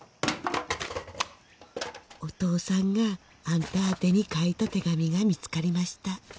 「お父さんがあんた宛てに書いた手紙が見つかりました」